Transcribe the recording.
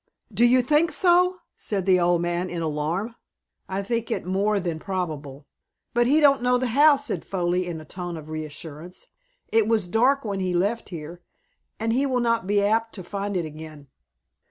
"Do you think so?" said the old man, in alarm. "I think it more than probable." "But he don't know the house," said Foley, in a tone of reassurance. "It was dark when he left here, and he will not be apt to find it again."